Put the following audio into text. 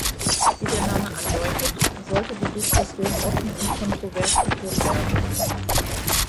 Wie der Name andeutet, sollte die Diskussion offen und kontrovers geführt werden.